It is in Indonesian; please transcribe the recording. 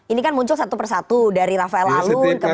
ini kan muncul satu persatu dari rafael alun